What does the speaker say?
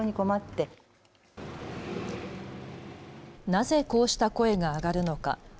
なぜこうした声が上がるのか。